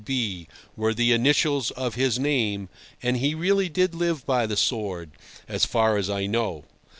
K. B. were the initials of his name, and he really did live by the sword, as far as I know.